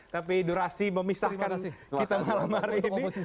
tapi durasi memisahkan kita malam hari ini